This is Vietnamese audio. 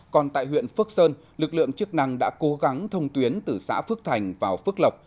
còn tại huyện phước sơn lực lượng chức năng đã cố gắng thông tuyến từ xã phước thành vào phước lộc